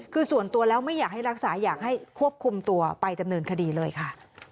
คือส่วนตัวแล้วไม่อยากให้รักษาอยากให้ควบคุมตัวไปดำเนินคดีเลยค่ะ